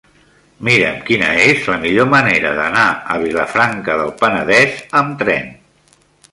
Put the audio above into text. Mira'm quina és la millor manera d'anar a Vilafranca del Penedès amb tren.